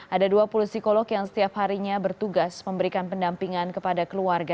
ada dua puluh psikolog yang setiap harinya bertugas memberikan pendampingan kepada keluarga